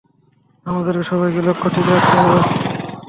আমাদেরকে সবাইকে লক্ষ্য ঠিক রাখতে হবে।